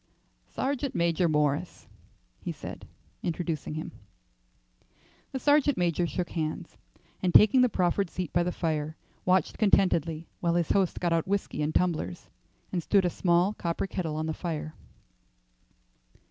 "Sergeant Major Morris," he said, introducing him. The sergeant major shook hands, and taking the proffered seat by the fire, watched contentedly while his host got out whiskey and tumblers and stood a small copper kettle on the fire.